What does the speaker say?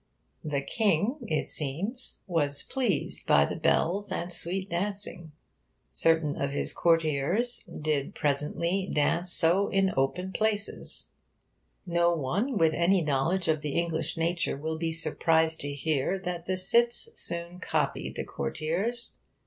'The Kynge,' it seems, 'was pleased by the bels and sweet dauncing.' Certain of his courtiers 'did presentlie daunce so in open playces.' No one with any knowledge of the English nature will be surprised to hear that the cits soon copied the courtiers.